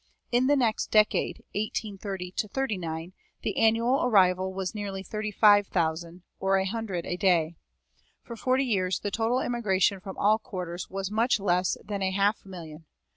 In the next decade, 1830 39, the annual arrival was nearly thirty five thousand, or a hundred a day. For forty years the total immigration from all quarters was much less than a half million.